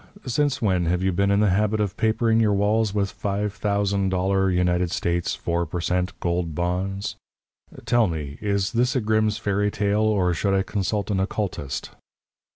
since when have you been in the habit of papering your walls with five thousand dollar United States four per cent. gold bonds? Tell me is this a Grimm's fairy tale, or should I consult an oculist?"